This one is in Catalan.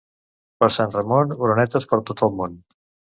Per Sant Ramon, orenetes per tot el món.